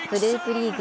リーグ